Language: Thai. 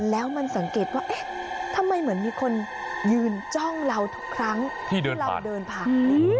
แล้วมันสังเกตว่าเอ๊ะทำไมเหมือนมีคนยืนจ้องเราทุกครั้งที่เราเดินผ่าน